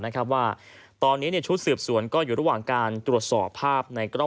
นะครับว่าตอนนี้ชุดสืบสวนก็อยู่ระหว่างการตรวจสอบภาพในกล้อง